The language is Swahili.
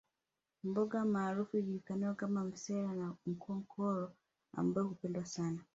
Mboga maarufu ijulikanayo kama msele na nkokoro ambayo hupendwa sana